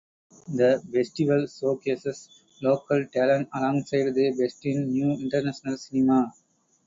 The Festival showcases local talent alongside the best in new International cinema.